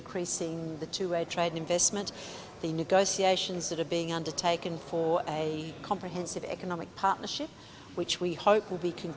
kami telah berbicara tentang potensi perusahaan